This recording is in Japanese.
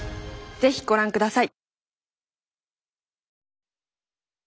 是非ご覧ください。